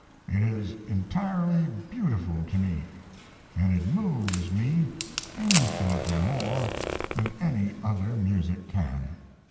It is entirely beautiful to me; & it moves me infinitely more than any other music can.